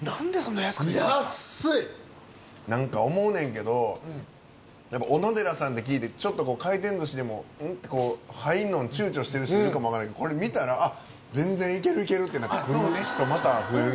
なんか思うねんけどおのでらさんって聞いてちょっと回転寿司でもうっって入るの躊躇してる人もいるかもわからんけどこれ見たらあっ全然いけるいけるってなって来る人また増えるでしょうね。